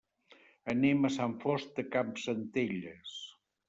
Anem a Sant Fost de Campsentelles.